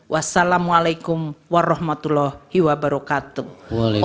wassalamu alaikum warahmatullahi wabarakatuh